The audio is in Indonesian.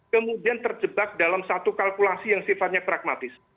kemudian terjebak dalam satu kalkulasi yang sifatnya pragmatis